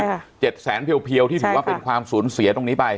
เจ็ดแสนเพียวเพียวที่ถือว่าเป็นความสูญเสียตรงนี้ไป